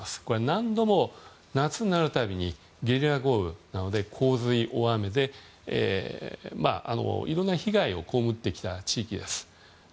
何度も夏になるたびにゲリラ豪雨などの洪水、大雨でいろんな被害を被ってきた地域です。